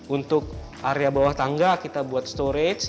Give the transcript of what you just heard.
untuk area bawah tangga kita buat storage